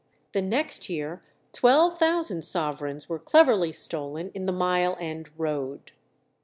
The next year twelve thousand sovereigns were cleverly stolen in the Mile End Road.